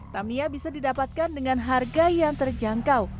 tamiya bisa didapatkan dengan harga yang terjangkau